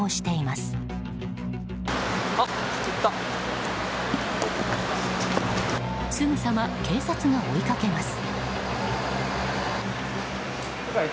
すぐさま警察が追いかけます。